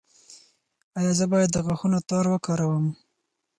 ایا زه باید د غاښونو تار وکاروم؟